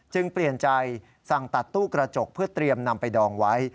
เปลี่ยนใจสั่งตัดตู้กระจกเพื่อเตรียมนำไปดองไว้